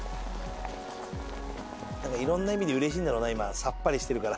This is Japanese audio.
いろんな意味でうれしいんだろうな今さっぱりしてるから。